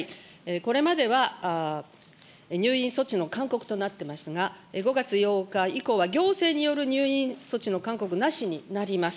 これまでは入院措置の勧告となっていますが、５月８日以降は行政による入院措置の勧告なしになります。